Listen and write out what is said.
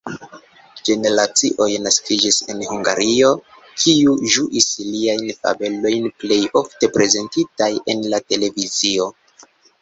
Generacioj naskiĝis en Hungario, kiuj ĝuis liajn fabelojn, plej ofte prezentitaj en la televizio.